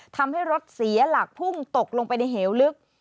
ทำให้รถเสียหลักพุ่งตกลงไปในเหวลึก